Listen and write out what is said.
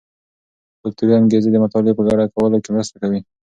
کلتوري انګیزې د مطالعې په ګډه کولو کې مرسته کوي.